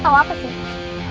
lo tau apa sih